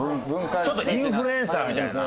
ちょっとインフルエンサーみたいな。